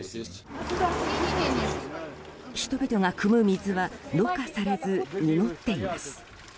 人々がくむ水は濾過されず濁っています。